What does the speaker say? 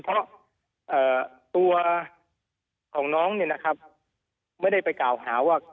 เพราะตัวของน้องไม่ได้ไปกล่าวหาว่า